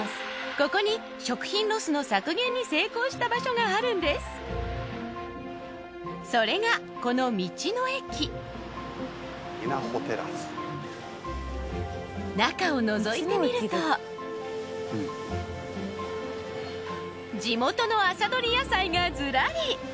ここに食品ロスの削減に成功した場所があるんですそれがこの道の駅中をのぞいてみると地元の朝採り野菜がずらり！